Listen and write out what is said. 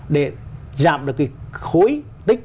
để giảm được cái khối tích